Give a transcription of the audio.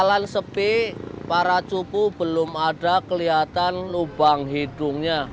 jalan sepi para cupu belum ada kelihatan lubang hidungnya